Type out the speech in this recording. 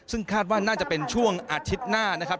ซึ่งคาดว่าน่าจะเป็นช่วงอาทิตย์หน้านะครับ